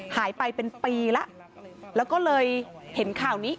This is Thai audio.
หายไปเป็นปีแล้วแล้วก็เลยเห็นข่าวนี้